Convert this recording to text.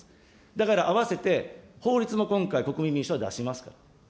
だからあわせて法律も今回、国民民主党は出しますから。